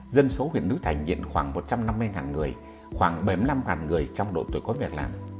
dân số huyện núi thành hiện khoảng một trăm năm mươi người khoảng bảy mươi năm người trong độ tuổi có việc làm